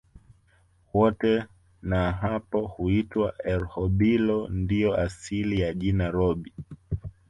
Wote na hapo huitwa Erhobilo ndio asili ya jina Rhobi